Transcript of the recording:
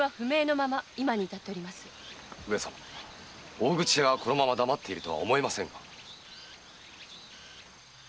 大口屋がこのまま黙っているとは思えませぬが。